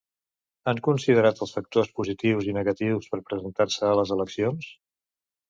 Han considerat els factors positius i negatius per presentar-se a les eleccions?